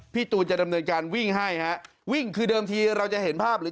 ตูนจะดำเนินการวิ่งให้ฮะวิ่งคือเดิมทีเราจะเห็นภาพหรือ